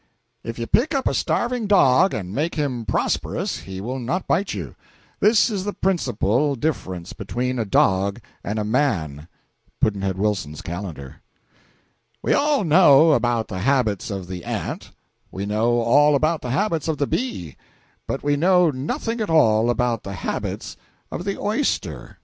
If you pick up a starving dog and make him prosperous, he will not bite you. This is the principal difference between a dog and a man. Pudd'nhead Wilson's Calendar. We know all about the habits of the ant, we know all about the habits of the bee, but we know nothing at all about the habits of the oyster.